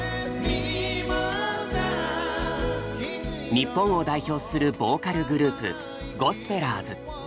日本を代表するボーカルグループゴスペラーズ。